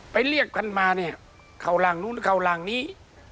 เรียกกันมาเนี่ยเข้าร่างนู้นเข้าร่างนี้